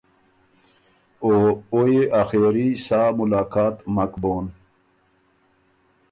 او او يې آخېري سا ملاقات مک بون۔